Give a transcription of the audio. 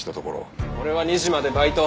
俺は２時までバイト。